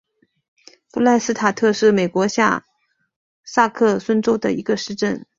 弗赖斯塔特是德国下萨克森州的一个市镇。